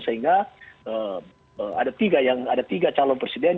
sehingga ada tiga calon presiden